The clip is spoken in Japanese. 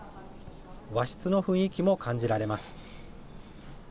和室の雰囲気も感じられます。